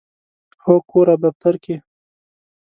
هو، کور او دفتر کې